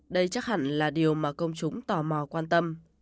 đây chắc hẳn là điều mà công chúng tò mò quan tâm